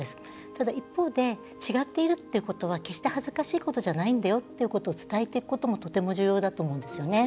ただ、一方で違っているということは決して恥ずかしいことじゃないんだよっていうことを伝えていくこともとても重要だと思うんですね。